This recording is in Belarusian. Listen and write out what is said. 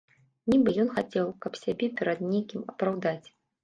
Нібы ён хацеў, каб сябе перад некім апраўдаць.